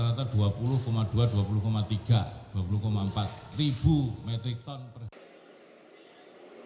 rata rata dua puluh dua dua puluh tiga dua puluh empat ribu metrik ton per hari